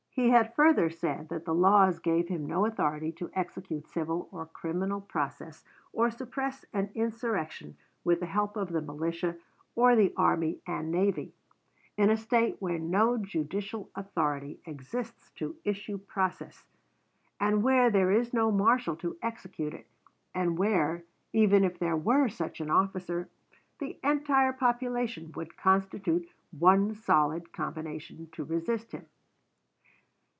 He had further said that the laws gave him no authority to execute civil or criminal process or suppress an insurrection with the help of the militia, or the army and navy, "in a State where no judicial authority exists to issue process, and where there is no marshal to execute it, and where, even if there were such an officer, the entire population would constitute one solid combination to resist him."